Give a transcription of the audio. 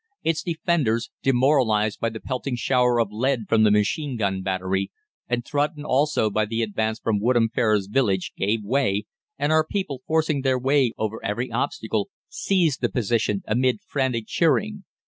Its defenders, demoralised by the pelting shower of lead from the machine gun battery, and threatened also by the advance from Woodham Ferrers village, gave way, and our people, forcing their way over every obstacle, seized the position amid frantic cheering.